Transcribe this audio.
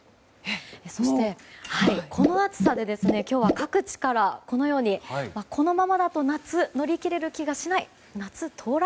そして、この暑さで今日は各地からこのままだと夏を乗り切れる気がしない夏到来？